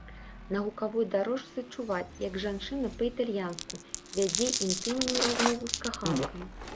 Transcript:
На гукавой дарожцы чуваць, як жанчына па-італьянску вядзе інтымную размову з каханкам.